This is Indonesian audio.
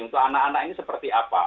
untuk anak anak ini seperti apa